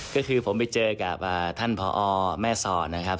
ก็คือผมไปเจอกับท่านพอแม่สอดนะครับ